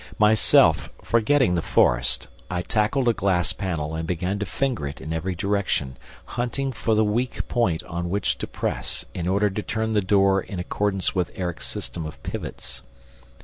Myself, forgetting the forest, I tackled a glass panel and began to finger it in every direction, hunting for the weak point on which to press in order to turn the door in accordance with Erik's system of pivots.